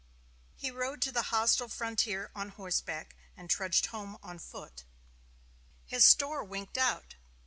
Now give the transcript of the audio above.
He rode to the hostile frontier on horseback, and trudged home on foot. His store "winked out."